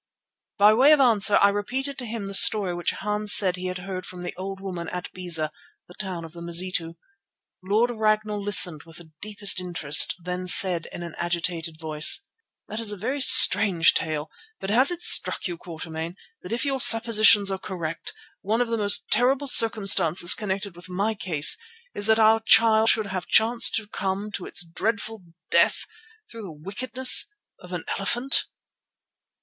By way of answer I repeated to him the story which Hans said he had heard from the old woman at Beza, the town of the Mazitu. Lord Ragnall listened with the deepest interest, then said in an agitated voice: "That is a very strange tale, but has it struck you, Quatermain, that if your suppositions are correct, one of the most terrible circumstances connected with my case is that our child should have chanced to come to its dreadful death through the wickedness of an elephant?"